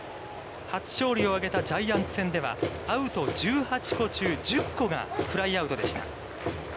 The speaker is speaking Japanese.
初勝利を上げたジャイアンツ戦ではアウト１８個中１０個がフライアウトでした。